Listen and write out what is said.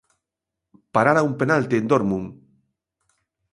Parara un penalti en Dortmund.